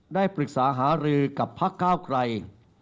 ได้ปรึกษาหารือกับพักก้าวไกร